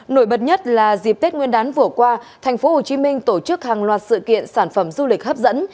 nổi bật nhất là dịp tết nguyên đán vừa qua tp hcm tổ chức hàng loạt sự kiện sản phẩm du lịch hấp dẫn